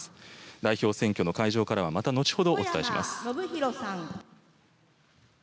代表選挙の会場からはまた後ほどお伝えします。